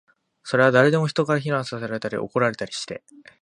それは誰でも、人から非難せられたり、怒られたりして